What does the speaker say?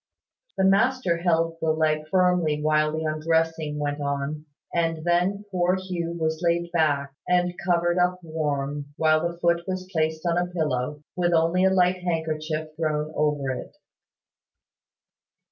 The master held the leg firmly while the undressing went on; and then poor Hugh was laid back, and covered up warm, while the foot was placed on a pillow, with only a light handkerchief thrown over it.